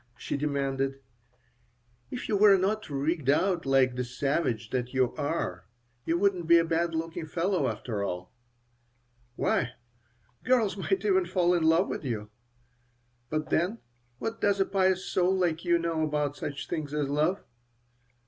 she demanded. "If you were not rigged out like the savage that you are you wouldn't be a bad looking fellow, after all. Why, girls might even fall in love with you. But then what does a pious soul like you know about such things as love?"